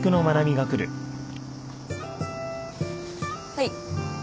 はい。